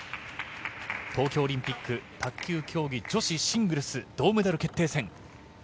東京オリンピック卓球競技女子シングルス銅メダル決定戦。